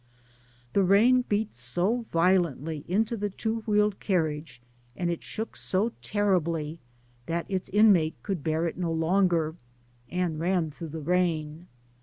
The rain beat so violently into the two wheeled carriage, and it shook so terribly, that its inmate could bear it no longer, and ran through the rain.